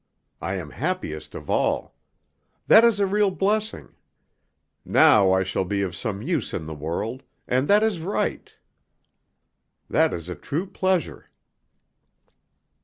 I am happiest of all. That is a real blessing. Now I shall be of some use in the world, and that is right, that is a true pleasure.'"